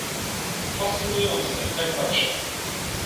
Fascynujące, jak zawsze